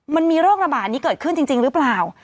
มันมีโรคระบาดนี้เกิดขึ้นจริงหรือเปล่า